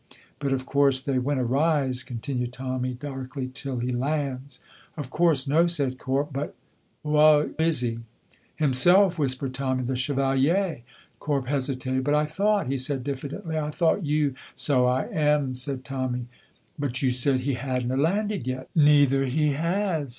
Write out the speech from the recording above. "But of course they winna rise," continued Tommy, darkly, "till he lands." "Of course no," said Corp, "but wha is he?" "Himsel'," whispered Tommy, "the Chevalier!" Corp hesitated. "But, I thought," he said diffidently, "I thought you " "So I am," said Tommy. "But you said he hadna landed yet?" "Neither he has."